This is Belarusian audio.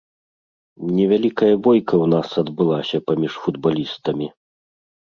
Невялікая бойка ў нас адбылася паміж футбалістамі.